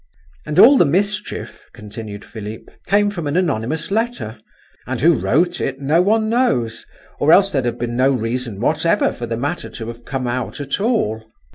"And all the mischief," continued Philip, "came from an anonymous letter; and who wrote it, no one knows, or else there'd have been no reason whatever for the matter to have come out at all."